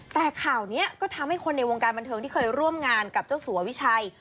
แต่ข่าวนี้ก็ทำให้คนในวงการบันเทิงที่เคยร่วมงานกับเจ้าสัววิชัย